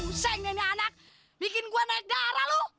pusing ini anak bikin gua negara lu